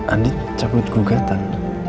andi cabut gugatan